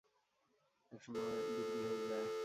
এক সময় বিক্রি হয়ে যায়।